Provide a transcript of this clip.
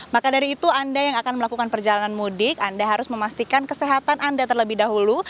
maka dari itu anda yang akan melakukan perjalanan mudik anda harus memastikan kesehatan anda terlebih dahulu